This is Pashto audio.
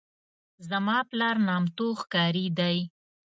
زما پلار نامتو ښکاري دی.